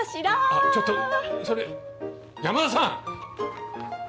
あちょっとそれ山田さん！